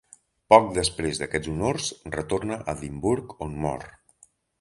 Poc després d'aquests honors, retorna a Edimburg on mor.